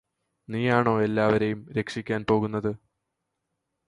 നീയാണോ എല്ലാവരെയും രക്ഷിക്കാന് പോകുന്നത്